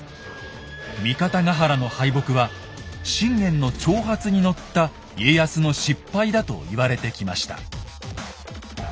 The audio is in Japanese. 三方ヶ原の敗北は信玄の挑発に乗った家康の失敗だと言われてきました。